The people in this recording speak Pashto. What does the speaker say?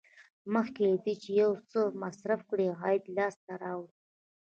مخکې له دې چې یو څه مصرف کړئ عاید لاسته راوړه.